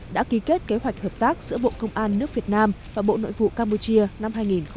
đã ký kết kế hoạch hợp tác giữa bộ công an nước việt nam và bộ nội vụ campuchia năm hai nghìn hai mươi